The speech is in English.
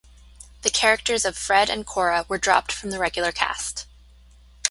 The characters of Fred and Cora were dropped from the regular cast.